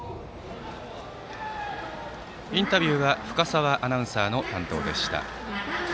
インタビューは深澤アナウンサーの担当でした。